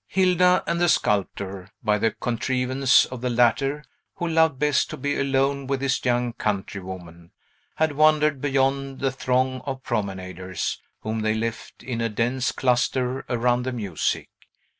Hilda and the sculptor (by the contrivance of the latter, who loved best to be alone with his young countrywoman) had wandered beyond the throng of promenaders, whom they left in a dense cluster around the music.